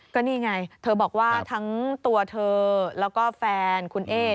ก็นี่ไงเธอบอกว่าทั้งตัวเธอแล้วก็แฟนคุณเอ๊